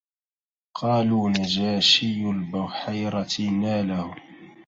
قالوا نجاشي البحيرة ناله